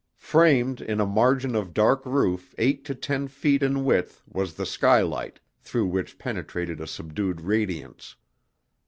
Framed in a margin of dark roof eight to ten feet in width was the skylight, through which penetrated a subdued radiance.